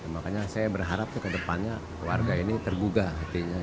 makanya saya berharap ke depannya warga ini tergugah artinya